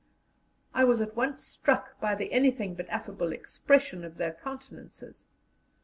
I was at once struck by the anything but affable expression of their countenances.